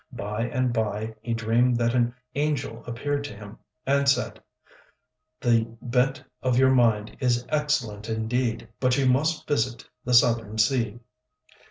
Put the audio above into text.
By and by he dreamed that an angel appeared to him, and said, "The bent of your mind is excellent indeed, but you must visit the Southern Sea."